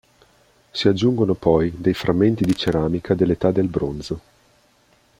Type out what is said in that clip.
Si aggiungono poi dei frammenti di ceramica dell'età del bronzo.